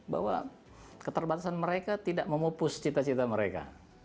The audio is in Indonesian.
bahwa keterbatasan mereka tidak memupus cita cita mereka